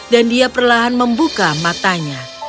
dan dia perlahan membuka matanya